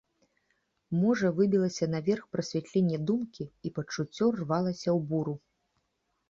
Можа выбілася наверх прасвятленне думкі, і пачуццё рвалася ў буру.